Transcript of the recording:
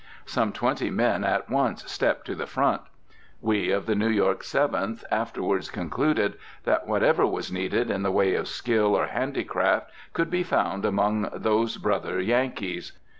Some twenty men at once stepped to the front. We of the New York Seventh afterwards concluded that whatever was needed in the way of skill or handicraft could be found among those brother Yankees.